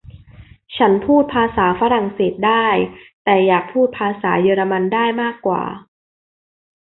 ฉันพูดภาษาฝรั่งเศสได้ แต่อยากพูดภาษาเยอรมันได้มากกว่า